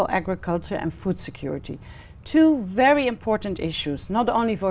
hà nội đã làm một điều rất tuyệt vời